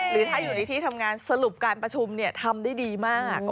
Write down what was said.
หรือถ้าอยู่ในที่ทำงานสรุปการประชุมทำได้ดีมาก